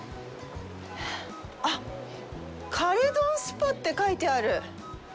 あっ、カレドンスパって書いてある。